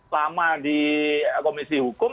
lama di komisi hukum